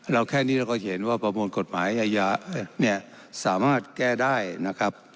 แค่นี้เราก็เห็นว่าประมวลกฎหมายอาญาเนี่ยสามารถแก้ได้นะครับ